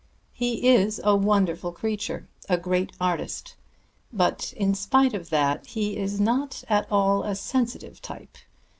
He is a wonderful creature, a great artist; but in spite of that he is not at all a sensitive type.